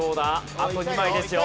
あと２枚ですよ。